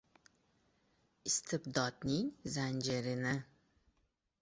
Istibdodnnng zanjirini